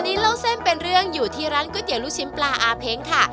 วันนี้เล่าเส้นเป็นเรื่องอยู่ที่ร้านก๋วยเตี๋ยลูกชิ้นปลาอาเพ้งค่ะ